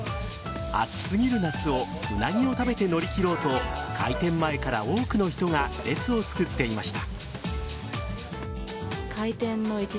暑すぎる夏をウナギを食べて乗り切ろうと開店前から多くの人が列を作っていました。